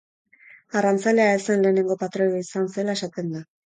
Arrantzalea ez zen lehenengo patroia izan zela esaten da.